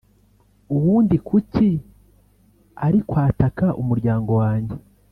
Ubundi kuki ari kwataka umuryango wanjye